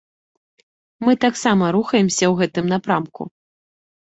Мы таксама рухаемся ў гэтым напрамку.